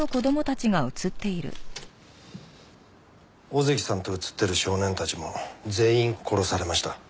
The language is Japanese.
小関さんと写ってる少年たちも全員殺されました。